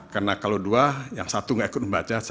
karena kalau dua yang satu gak ikut membaca